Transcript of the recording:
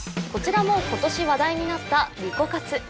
こちらも今年話題になった「リコカツ」